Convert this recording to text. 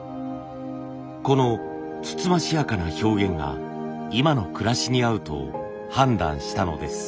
このつつましやかな表現が今の暮らしに合うと判断したのです。